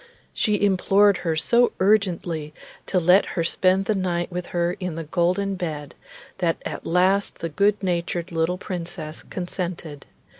She implored her so urgently to let her spend the night with her in the golden bed, that at last the good natured little Princess consented.